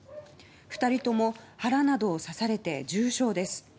２人とも腹などを刺されて重傷です。